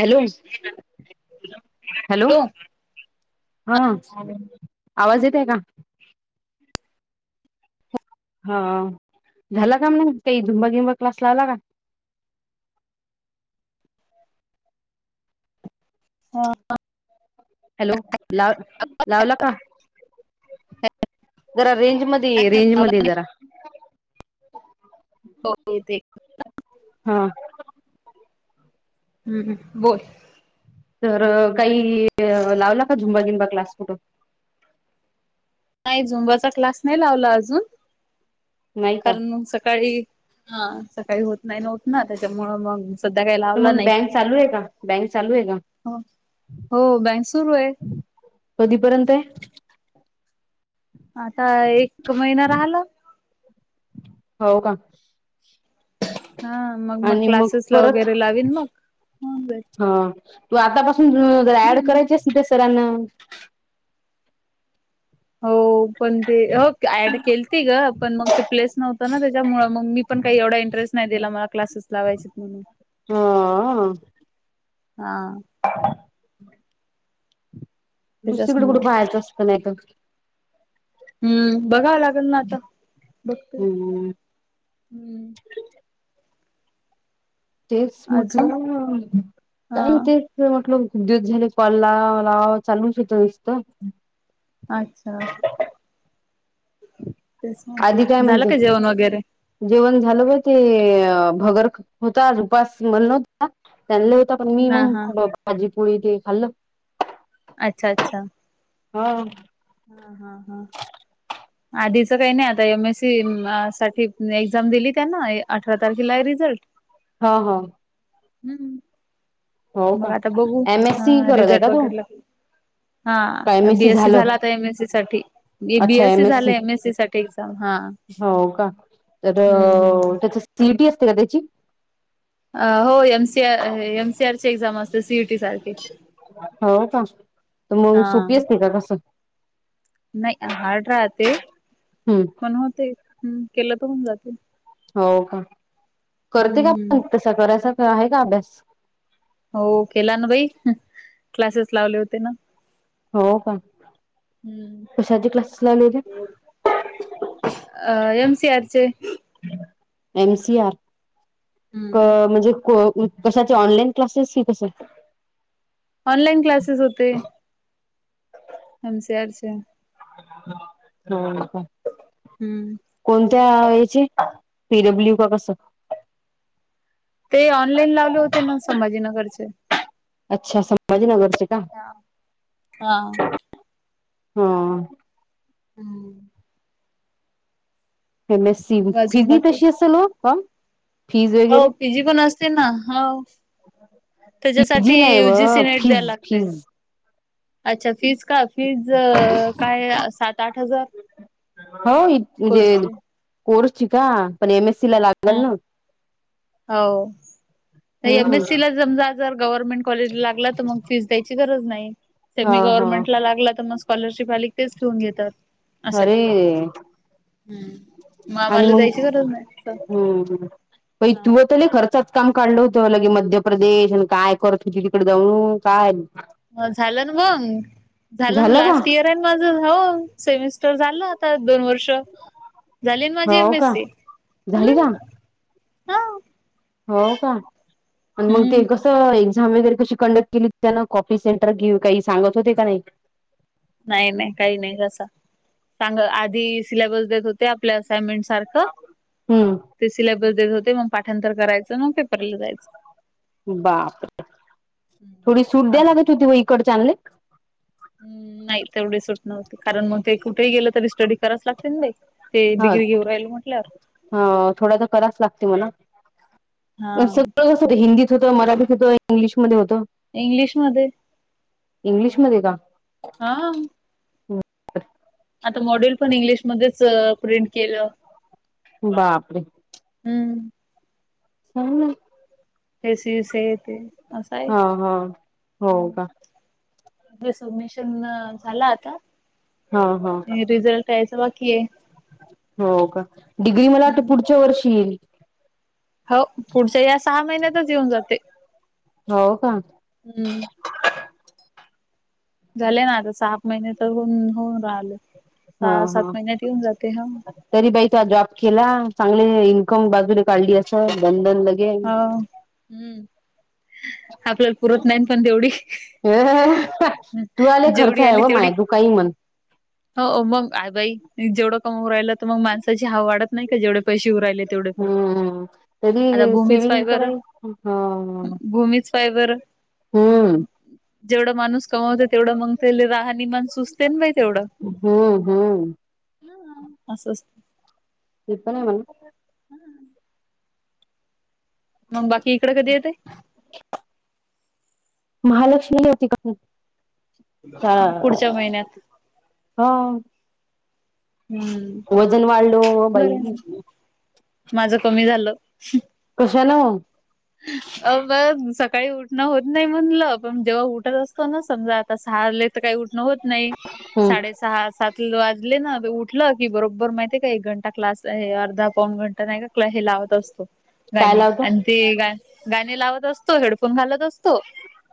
Hello...,..... hello हा आवाज येतय का? हो.. झालं का म्हणा तई झुंबागिंबा क्लास लावला का? हा हॅलो.. लाव लावला का? जरा रेंज मध्ये ये, रेंज मध्ये जरा. हो मी ते.... हा... हूं. हूं. बोल तर काही लावला का झुंबा झिंबा क्लास कुठं? नाही झुंबाचा क्लास नाही लावला अजून, नाही का कारण मगं सकाळी हा सकाळी होत नाही ना उठणं त्याच्यामुळं मग, सध्या काही ला तर मग बँक चालू आहे का, बँक चालू आहे का? हो बँंक सूरू आहे. कधीपर्यंत आहे? आता एक महिना राहला. हो का हा मग मग आणि क्लासेस ला परत वगैरे लावीन मग, होऊन जाईल. हा तू आतापासून जरा ऍड हम्म करायचेस नं त्या सरानां, हो पण ते अप ते ऍड केलीती गं पण मग ते प्लेस नव्हतं ना त्यांच्यामुळं, मग मी पण काही एवढा इंटरेस्ट नाही दिला मला क्लासेस लावायचेत म्हणून. हो... अ.... हो. हा [unintelligible] दुसरीकड त्याच्याचमुळ कुठं पाहायचं असतं नाही तर, हूं.. बघावं लागेल ना आता, बघतेय... हम्म हूं... तेच अजून म्हटलं, हा काय होते. तेच म्हटलं किती दिवस झाले, कॉला लावाव- लावाव चालूच होतं नुसतं. अच्छा! [unintelligible] तेच आधी काय म्हटलं झालं म्हणते का जेवण वगैरे.? जेवण झालं पा ते भगर होता आज उपास म्हणून. आ.... त्यांनला होता पण मी हा हा मंग भाजी पोळी ते खाल्लं. अच्छा अच्छा! हा हा. हा. हा. [inaudible] आधीचं काही नाही, आता एम एससी साठी एक्झाम दिली त्यांना, अठरा तारखेला आहे रिझल्ट. हा, हा. हम्म. हो मग का आता बघू, एम एस सी हा करत आहे का रिझल्ट तू वगैरेला, का एम हा एस सी बीएससी झालं झाल आता एमएससी साठी, अच्छा बीएस सी एम एस झालं एमएससी साठी एक्झाम हा. हो का, तर हम्म हम्म त्याची सीइटी असते का त्याची? हो एमसीआर, एमसीआर ची एक्झाम असते सीइटी सारखी. हो का तर मग हा सोपी असते का कसं? नाही हार्ड राहते हम्म पण होते ह केलं तर होऊन जाते. हो का करते हम्म का पण हम्म. तसा कराय सारखा आहे का अभ्यास? हो केला ना बाई क्लासेस लावले होते ना. हो का? हम् कशाचे क्लासेस लावले होते अ एम सी आरचे एम सी आर हम्म. म्हणजे कशाचे ऑनलाईन क्लासेस कि कस? ऑनलाईन क्लासेस होते. एम सी आर चे हो [inaudible] का हम्म कोणत्या याची पी डब्ल्यू का कसं? ते ऑनलाईन लावले होते ना संभाजीनगरचे. अच्छा संभाजीनगरचे का हा हा हा हम्म एम एस सी मग फि अजून बी बाकी तशी असेल हो. फीज हो वगैरे पी जी पण असते ना हो पीजी त्याच्यासाठी नाही यू व जी सी नेट फीज द्यायला लागते. फीज अच्छा फीज का फीज काय सात आठ हजार हो म्हणजे कोर्सचे. कोर्सची का पण एम एस सी ला लागंल हा. ना. हो एम हम्म एस सी ला समजा जर गव्हर्नमेंट कॉलेजला लागला तर मग फीज द्याची गरज नाही. हा सेमी हा गव्हर्नमेंटला लागला तर मग स्कॉलरशिप आली तेच ठेवून घेतात. असं अरे आहे. मग आम्हाला जायची गरज नाही तिथं. हो हो बाई तुवा तर लई खर्चाचं काम काढलं होतं लगे मध्य प्रदेश आणि काय करत होती तिकडे जाऊन काय हा झालं ना मगं झालं ना लास्ट इयर त्यात माझा भाऊ सेमिस्टर झालं आता दोन वर्ष झाली ना माझी एम हो एस का सी झाली का? हो का आणि मग ते हम्म कस एक्झाम वगैरे कशी कंडक्ट केली त्याना कॉपी सेंटर घेऊ काही सांगत होते का नाही? नाही नाही काही नाही असं सांग आधी सिलॅबस देत होते आपल्या असाइनमेंट सारखं हम्म ते सिलॅबस देत होते मग पाठांतर करायचं मग पे बापरे थोडी सूट द्यायला असं लागत होती इकडचानले. नाही तेवढी सुट नव्हती. कारण मग ते कुठेही गेलं तरी स्टडी कराचं लागते ना बाई. ते डिग्री घेऊन राहिलेत म्हटल्यावरं. हा थोडासा तरास लागते म्हणा हा पण सगळं हिंदीत होतं, मराठीत होतं, इंग्लिशमध्ये होतं. इंग्लिशमध्ये इंग्लिशमध्ये का? हा. आता मॉड्युल पण इंग्लिशमध्येच प्रिंट केलं. बापरे. हम्म. [inaudible] एस. सी. सी तेन हा. हा. हो का. रिसबमिशन झालं आता, हा हा आणि रिझल्ट यायचं बाकी आहे. हो का? डिग्री आता मला हम्म पुढच्या वर्षी येईलं. हो पुढच्या या सहा महिन्यातच येऊन जाते. हो का? हम्म. झाले ना आता सात महिने, तर होऊन होऊन राहिले. हा सहा सात हा महिन्यात येऊन जाते हाव. तरी बाई त जॉब केला चांगले इन्कम बाजूने काढली असं बंधन लई हा हं आपल्याला पुरत नाही पण तेवढी. तूझा लय खर्च जेवढी आहे आली व तेवढी माय तू काही म्हणं. हो मग आय बाई, जेवढं कम होऊ राहिलं तर मग माणसाची हाव वाढत नाही का, जेवढे पैसे येऊ राहिले तेवढे क हम्म तरी सेविंग करायची, हां, हा, भूमीच पाय बरं. हम्म. जेवढं माणूस कमवते, तेवढं मग तेले राहणीमाण सुचते ना बाई, तेवढं. हम्म, हम्म. ना, असं अस ते पण आहे म्हणा. हां. मग बाकी इकडं कधी येतायं? महालक्ष्मीला येती [unintelligible] नाही. पुढच्या महिन्यात. हॊ. हम्म. वजन वाढलो बरं बाई. आहे मग माझं कमी झालं. कशान? अ.. ब, सकाळी उठणं होत नाही म्हणलं, पण जेव्हा उठत असतो ना, समजा आता साहारले. सकाळी काही उठणं होत नाही हम्म साडे सहा, सात वाजले ना, उठलं की बरोबर माहितीय का, एक घंटा क्लास आहे, अर्धा-पाऊण घंटा. तर नाही का, क्ल हे लावत असतो काय गाणी, लावतो अन ते गा गाणी लावत असतो हेडफोन घालत असतो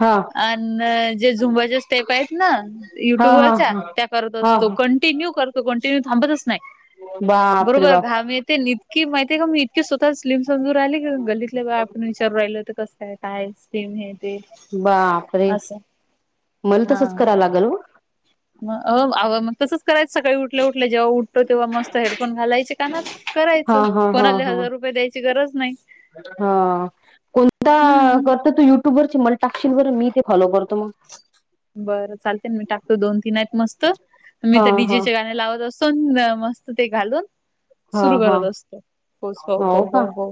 हा अन जे झुंबाचे स्टेप आहेत ना हा युट्यूब हा वरच्या हा त्या करत हा असतो, कंटिन्यू करतो, कंटिन्यू थांबतचं नाही. बापरे बरोबर, बाप घाम येतेन इत की माहिती आहे का मी इतकी स्वतः स्लिम समजू राहिली की गल्लीतल्या बाया पण विचारू राहिलं होतं कसं तर काहीच स्कीम हेत. बापरे! मला हा तसचं करा लागलं मग. मग अवा मग तसंच करायच सकाळी उठल्या उठल्या जेव्हा उ ठतो. तेव्हा मस्त हेडफोन घालायचे कानात करायच, हा हा हा कोणाला हा हजार रुपये द्यायची गरज नाही. हा कोणता? हा हम्म करते तू युट्युब वरची मल टाकशिल व मी ते फॉलो करतो मग बरं चालतय मी टाकतो, दोन तीन हायेत मस्त मी हा तर डीजे हा चे गाणे लावत अस सुंदर मस्त ते घालून हा सुरू हा करत असतो. स हो हो हो हो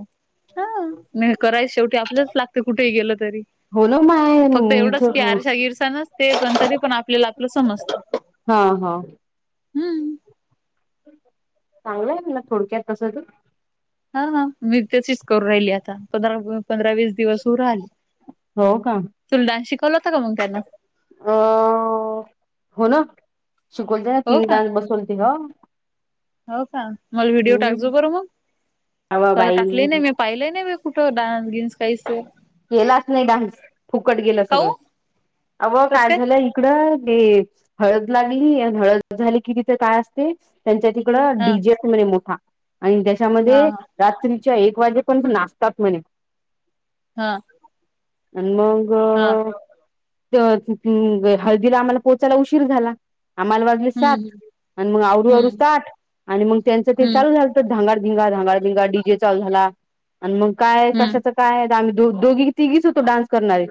हा नाही कराय शेवटी आपलंच लागत कुठेही गेलं तरी. हो न माय फक्त इथ एवढंच की आरशा गिरसा नसते, पण तरी पण आपल्याला आपलं समजत. हा हा. हम्म चांगलं हाय म्हणा थोडक्यात तस तर हा आ मी तशीच करू राहिली आता, पंधरा पंधरा वीस दिवस होऊ राहिले हो का? तुला डानस शिकवला होता का मग त्यांना? अ हो ना शिकवोलते ना हो तीन का डान्स बसवून तीन हो का? मला व्हिडिओ हम्म टाकजो बरं मग अवा त आता बाई टाकलं नाही, मी पाहिलं नाही. कुठं डान्स गिनस काहीच केलाच नाही डान्स फुकट गेलं सगळं. काऊ अवं काय झालं? तीकड ते हळद लागली आणि हळद झाली की तिथे काय असते? त्यांच्या तिकड हा डीजेक् म्हणजे मोठा आणि हा त्याच्यामध्ये हा रात्रीच्या एक वाजेपर्यंत नाचतात म्हणे. हा. आन मग हा तर तिथ हळदीला आम्हाला पोचायला उशीर झाला. आम्हाला वाज ल सात हम्म आणि मग आवरू आवरू हम्म स्तर आठ आणि मग त्यांच ते हम्म चालू झाल. नुस्त धांगाड धिंगा, धांगड धिंगा डीजे चालू झाला आणि मग काय हम्म कशाचं काय? आ्ही दोघी तिघीच होतो डान्स करणारे,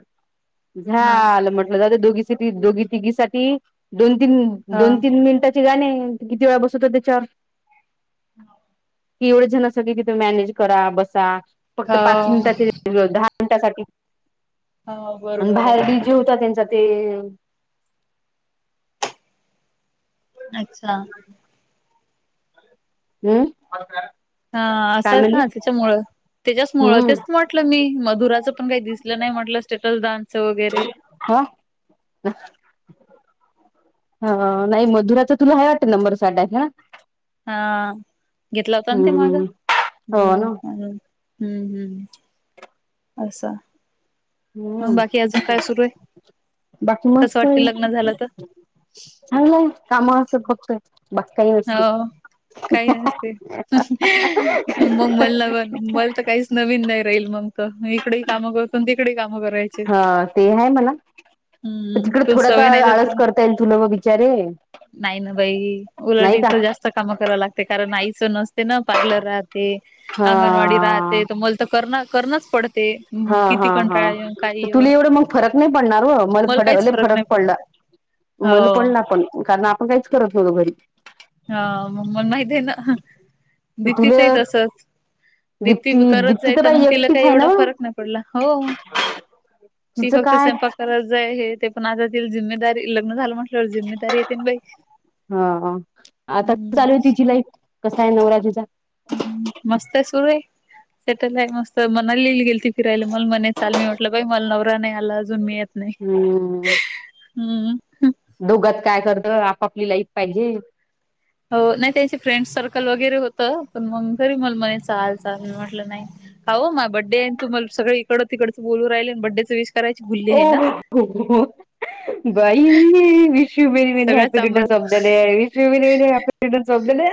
हा झाल म्हटल दोघी त दोघी तिघिसाठी दोन तीन हा दोन तीन मिनीट तीगानी नाही किती वेळा बसत होते तेच्यावर हां. कि एवढे जनासाठी तीथ मॅनेज करा बसा, फक्त पाच हा मिनिटाचे दहा मिंटासाठी हो आणि बरोबर आहे बाहेर डी जे होता त्यांचा ते अच्छा ह [unintelligible] हुं. [unintelligible] हा आसं का? तेच्यामुळं तेच्याचमुळं हम्म तेच म्हट टलं मी, मधुराचं पण काही दिसलं नाही म्हटलं स्टेटसदान हा. [inaudible] हा हा नाही मधुराचं तुला हा नंबर साठ हाय का? हा घेतला होता ना ते मागं? हम्म हो हू ना म्हणून हूम् हूम् आसं म हम्म बाकी अजून काय सुरू आहे? बाकी कस वाटते लग्न झालं तर? नाही नाही काम अस अस कपतोय. [unintelligible] हो काही नसते बोंबलला बघ मला तर काहीच नवीन नाही राहील मग त मी इकडे काम करतो तिकडे कामं करायची ह ते आहे म्हणा तर हम्म तिकडे तू थोडा सवय तर नाही आळस करता येईल तुला मग बिचारे तुला नाही का तिथं जास्त काम कराव लागते कारण आईस नसते ना पारलर राहात ते हा अंगणवाडी राहते तर मल तर कर करणच पड हा, हा, हा येऊ तुला एवढं मग फरक नाही पडणार हो मर मला काहीच लई नाही फरक पडला पडत मल हो पण ना पण कारण आपण काहीच करत होवतो घरी हा म म माहित आहे ना दीप्तीच ही तुला तसच दीप्ती करत दीप्ती जाय तर मग बाई तिला एकटीच काही आहे ना एवढा फरक नाही पडला हो ती तिचं फक्त काय स्वयंपाक करात जाय हे ते म आता तिला जिमेदारी लग्न झालं म्हटल्यावर जिम्मेदारी येेतेन बाई हा, हा आता कशी चालू आहे तिची लाईफ कसा आहे नवरा तिचा मस्त आहे सुरू आहे ते तर काय मस्त मनालील गेल ती फिरायला म चाल मी म्हटलं बा मला नवरा नाही आलत अजून मी येत नाही हम्म हम्म दोघात काय करतं आपापली लाईफ पाहिजे हो नाही त्यांचे फ्रेंड सर्कल वगैरे होतं पण मग घरी मल मनी चा आल चाल म्हटलं नाही हाव मा बड्डे आहे तुमला सगळे इकडं तिकडच बोलू राहिल बड्डेच विष ओ हो, हो बाई विशू यू मेनी, मेनी सगळ्या हॅपी चांबर returns of the day wish you many, many happy returns of the day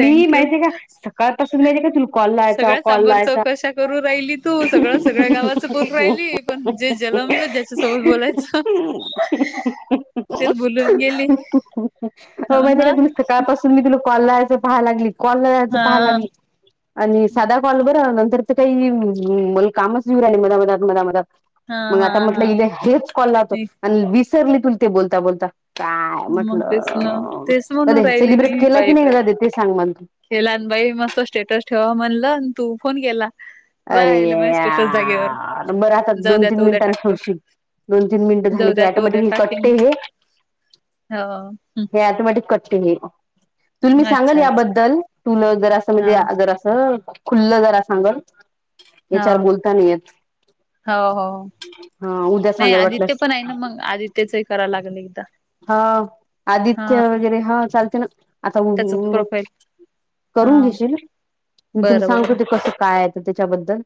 मी माहितीे का सकाळपसून माहितीे का तुला कॉल लावायचा सगळ्या कॉल सांबर लावायचा चौकशा करू राहिली तू सगळं सगळ्या गावाचं बोलू राहिली [unintelligible] [unintelligible] अ पण जे जलमलं ज्याच्यासोबत बोलायचं तेच बोलून गेली हो माहिती ना काय तुल सकाळ पास त मी तुला कॉल लावायचं पाहाय लागली, कॉल लावायचं हा पाहाय लागली आणि सादा कॉल बर नंतर ते काही म कामच घऊ राहिले मधामधात, मधमधात हा मग आता हा म्हटलं हा इथ हेच कॉल लातो नाही, आणि विसरली तु ते बोलता बोलता काय मग तेच ना म्हटलं तेच अरे म्हणून राहिले सेलिब्रेट केला की नाही जाऊ दे ते सांग म्हण केला आणि बाई मस्त स्टेटस ठेवा म्हणल तू फोन केला अरे राहिले माझे स्टेटस जागेवर या बर आता जाऊ दोन, द्या तीन तर उद्या मिनिटांनी टाकतो सोडशील दोन, तीन मिनिट झाले जाऊ की द्या तर उद्या ऑटोमॅटिक टाकेन कट्टते हे हो हं, हे ऑटोमॅटिक कटते हे तु मी सांगल अच्छा अच्छा याबद्दल तुला जरा असं म्हणजे हा जरा असं खुल्लं जरा सांगल हो याच्यावर बोलता नाई येत हो, हो हा उद्या नाही सांगाल आदित्य वाटल्यास पण आहे ना मग आदित्यचंही करावला लागल एकदा हा साहित्य वगैरे हा चालते ना आता व त्याच व प्रोफाईल हा करून घेशील ना मी तुला बरं सांगतो बरं ते कसं काय आहे त्याच्याबद्दल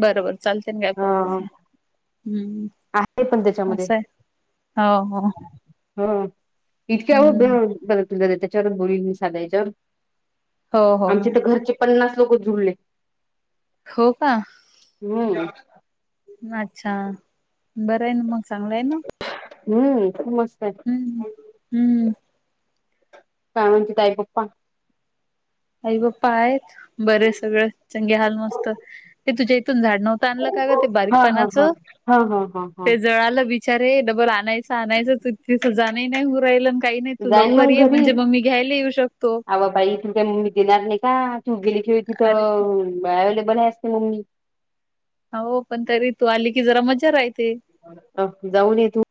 बर, बर चालते ना काय अ प्रॉब्लेम नाही आहे पण हम्म त्याच्यामध्ये असंय हो, हो ह इतक्या हम्म [unintelligible] हो हो हो आमच्या तर घरचे पन्नास लोक जुडलेत. हो का. हम्म अच्छा, बरं आहे न मग चांगला आहेना. हम्म, मस्त आहे. हम्म काय म्हणते ताई पप्पा. आई पप्पा आहेत. बरे सगळं चंगे हाल मस्त ते तुझ्या इथून झाड नव्हत आणलं काग ते बारीक हा हा पानाच. हा हा हा हा हा ते जळालं बिचारे डबल आणाय सानायचं तू तिच जाण नाही होऊ राहिल काही नाही. तू जाईन लवकर ये म्हणजे मग मी घ्यायला येऊ शकतो. अवा बाई तूले काय मम्मी देणार नाही का? तू गेली कि अरे तिथं अवेलेबल आहेस ते मम्मी. हो पण तरी तू आली की जरा मजा राहते. अ जाऊन ये तू.